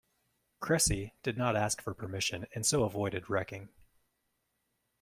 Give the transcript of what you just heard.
"Cressy" did not ask for permission and so avoided wrecking.